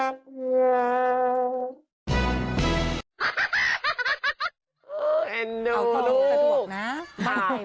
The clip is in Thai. อารมณ์ใหญ่